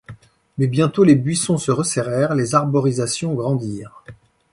Mais bientôt les buissons se resserrèrent, les arborisations grandirent.